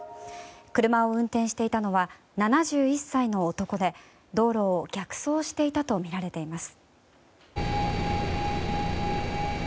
車を運転していたのは７１歳の男で道路を逆走していたとみられています。